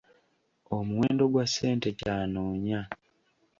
Omuwendo gwa ssente ky'anoonya.